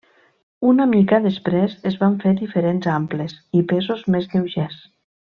Una mica després es van fer diferents amples i pesos més lleugers.